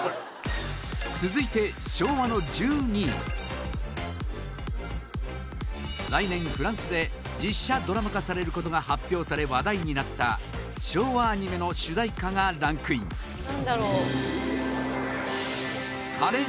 続いて、昭和の１２位来年、フランスで実写ドラマ化される事が発表され話題になった、昭和アニメの主題歌がランクイン一同：ああー！